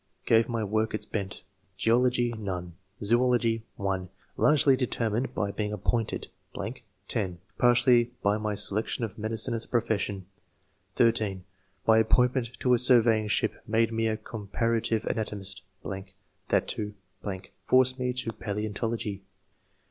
gave my work its bent. Geology. — ^None. Zoology. — (1) Largely determined by being appointed .... (10) Partly by my selection of medicine as a profession. (13) My appoint ment to a surveying ship made me a comparative anatomist ...., that to .... forced me to palaeontology.